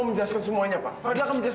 kalau phantom google yang film di sini